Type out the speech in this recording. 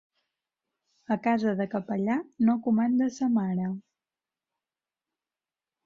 A casa de capellà no comanda sa mare.